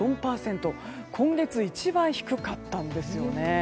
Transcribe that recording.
今月一番低かったんですよね。